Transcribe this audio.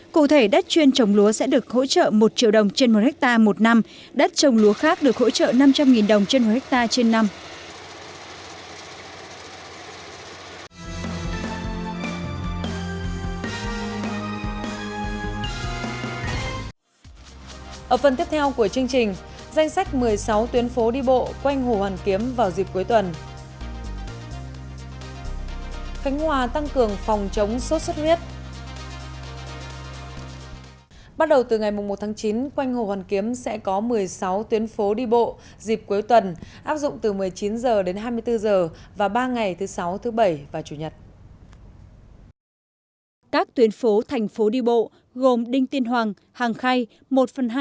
cụ thể đất chuyên trồng lúa sẽ được hỗ trợ một triệu đồng trên một ha một năm